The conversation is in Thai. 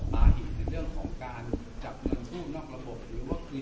บาหิตในเรื่องของการจับเงินผู้นอกระบบหรือว่าคือ